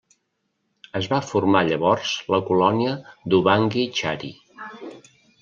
Es va formar llavors la colònia de l'Ubangui-Chari.